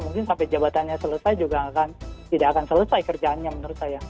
mungkin sampai jabatannya selesai juga tidak akan selesai kerjaannya menurut saya